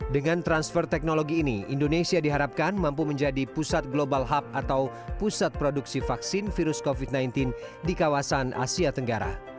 dengan transfer teknologi ini indonesia diharapkan mampu menjadi pusat global hub atau pusat produksi vaksin virus covid sembilan belas di kawasan asia tenggara